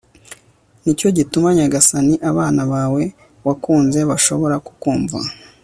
ni cyo gituma, nyagasani, abana bawe wakunze bashobora kukumva